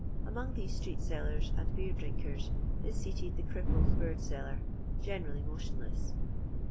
Among these street sellers and beer drinkers is seated the crippled bird seller, generally motionless.